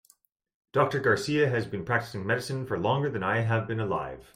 Doctor Garcia has been practicing medicine for longer than I have been alive.